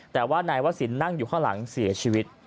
แต่ว่านายวศิลป์นั่งอยู่ข้างหลังเสียชีวิต